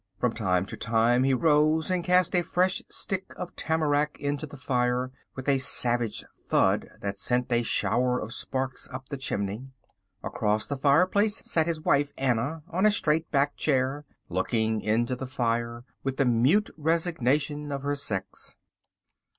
From time to time he rose and cast a fresh stick of tamarack into the fire with a savage thud that sent a shower of sparks up the chimney. Across the fireplace sat his wife Anna on a straight backed chair, looking into the fire with the mute resignation of her sex.